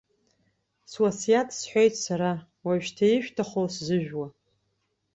Суасиаҭ сҳәеит сара, уажәшьҭа, ишәҭаху сзыжәу!